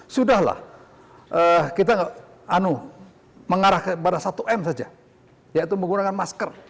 sudahlah kita mengarah kepada satu m saja yaitu menggunakan masker